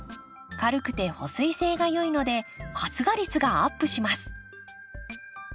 軽くて保水性が良いので発芽率がアップします。